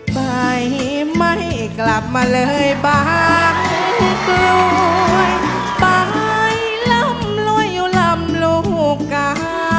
ไปไม่กลับมาเลยบางกรวยไปลำลอยอยู่ลำลูกกา